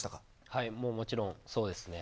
はい、もちろん、そうですね。